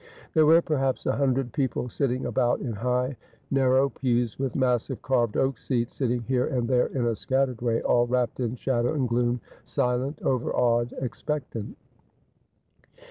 There were, perhaps, a hundred people sitting about in high narrow pews with massive carved oak seats, sitting here and there in a scattered way, all wrapped in shadow and gloom, silent, overawed, expectant.